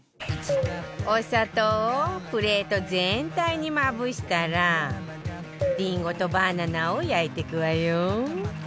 お砂糖をプレート全体にまぶしたらりんごとバナナを焼いていくわよ